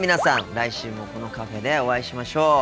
来週もこのカフェでお会いしましょう！